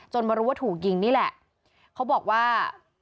มารู้ว่าถูกยิงนี่แหละเขาบอกว่า